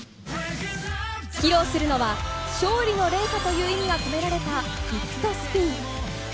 披露するのは、勝利の連鎖という意味が込められたＶＩＣＴＯＳＰＩＮ。